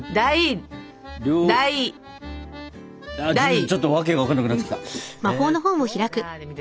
ちょっと訳が分かんなくなってきた。